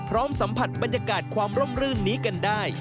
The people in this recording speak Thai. สัมผัสบรรยากาศความร่มรื่นนี้กันได้